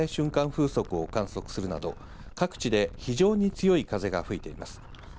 風速を観測するなど、各地に非常に強い風が吹いています。